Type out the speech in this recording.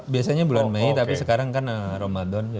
biasanya bulan mei tapi sekarang kan ramadan